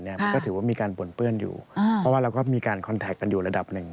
มันก็ถือว่ามีการปนเปื้อนอยู่เพราะว่าเราก็มีการคอนแท็กกันอยู่ระดับหนึ่ง